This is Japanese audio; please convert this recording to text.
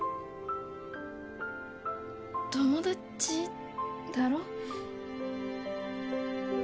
友達だろ？